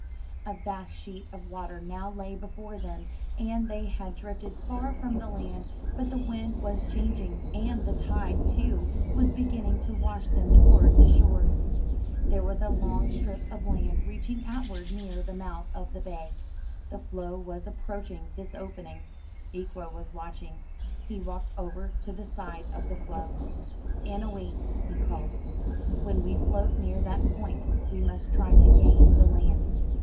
A vast sheet of water now lay before them, and they had drifted far from the land; but the wind was changing, and the tide, too, was beginning to wash them toward the shore. There was a long strip of land reaching outward near the mouth of the bay. The floe was approaching this opening. Ikwa was watching. He walked over to the side of the floe. ''Annowee,'' he called, *Vhen we float near that point, we must try to gain the land.''